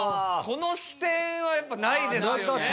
この視点はやっぱないですよね。